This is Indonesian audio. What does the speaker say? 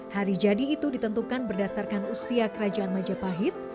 hari jadi itu ditentukan berdasarkan usia kerajaan majapahit